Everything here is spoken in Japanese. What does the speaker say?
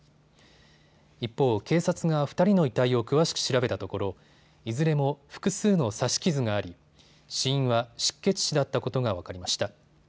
一方、警察が２人の遺体を詳しく調べたところいずれも複数の刺し傷があり、死因は失血死だったことが分かりました。